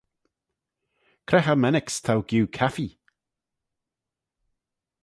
Cre cho mennick's t'ou giu caffee?